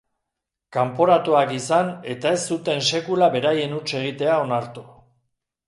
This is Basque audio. Kanporatuak izan eta ez zuten sekula beraien huts egitea onartu.